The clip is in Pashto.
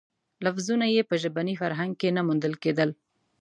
لفظونه یې په ژبني فرهنګ کې نه موندل کېدل.